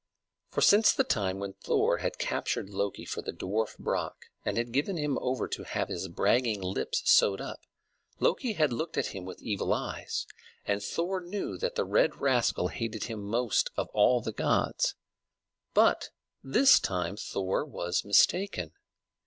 For since the time when Thor had captured Loki for the dwarf Brock and had given him over to have his bragging lips sewed up, Loki had looked at him with evil eyes; and Thor knew that the red rascal hated him most of all the gods. But this time Thor was mistaken.